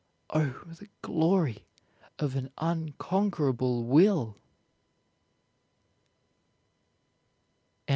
Oh, the glory of an unconquerable will!